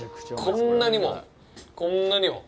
こんなにも、こんなにも。